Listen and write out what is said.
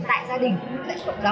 và đó tôi hy vọng đấy chính là